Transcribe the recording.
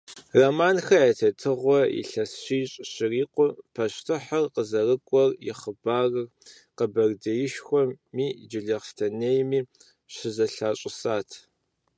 Романхэ я тетыгъуэр илъэс щищ щырикъум, пащтыхьыр къызэрыкӀуэм и хъыбарыр Къэбэрдеишхуэми Джылахъстэнейми щызэлъащӀысат.